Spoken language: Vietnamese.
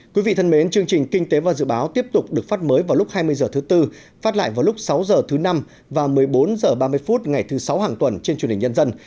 quý vị thân mến chương trình kinh tế và dự báo tiếp tục được phát mới vào lúc hai mươi h thứ tư phát lại vào lúc sáu h thứ năm và một mươi bốn h ba mươi phút ngày thứ sáu hàng tuần trên truyền hình nhân dân